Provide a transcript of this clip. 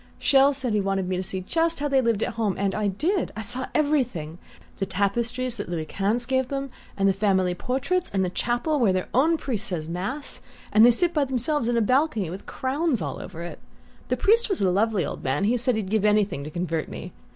Chelles said he wanted me to see just how they lived at home, and I did; I saw everything: the tapestries that Louis Quinze gave them, and the family portraits, and the chapel, where their own priest says mass, and they sit by themselves in a balcony with crowns all over it. The priest was a lovely old man he said he'd give anything to convert me.